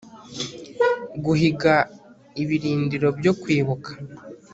Guhiga ibirindiro byo kwibuka